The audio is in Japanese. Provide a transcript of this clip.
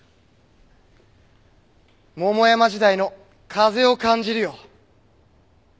桃山時代の風を感じるよ。